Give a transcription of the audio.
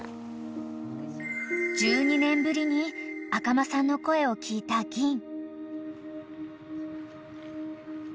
［１２年ぶりに赤間さんの声を聞いたぎん］